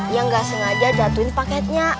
yang nggak sengaja jatuhin paketnya